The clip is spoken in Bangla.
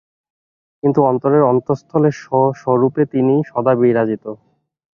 কিন্তু অন্তরের অন্তস্তলে স্ব-স্বরূপে তিনি সদা বিরাজিত।